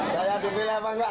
saya dipilih apa enggak